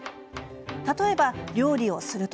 例えば料理をする時。